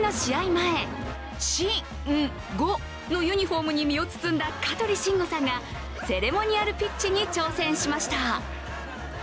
前、「シ・ン・ゴ」のユニフォームに身を包んだ香取慎吾さんがセレモニアルピッチに挑戦しました。